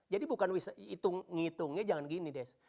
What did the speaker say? jadi bukan ngitungnya jangan gini des